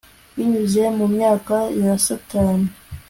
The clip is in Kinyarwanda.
binyuze mumyaka ya satani